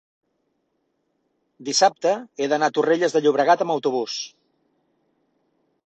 dissabte he d'anar a Torrelles de Llobregat amb autobús.